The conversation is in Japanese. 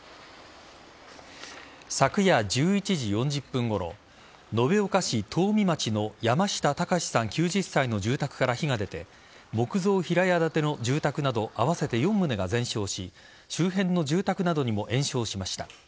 昨夜１１時４０分ごろ延岡市東海町の山下高さん、９０歳の住宅から火が出て木造平屋建ての住宅など合わせて４棟が全焼し周辺の住宅などにも延焼しました。